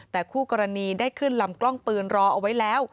แต่คู่กรณีได้ขึ้นลำกล้องปืนรอเอาไว้แล้ว